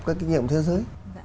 các kinh nghiệm thế giới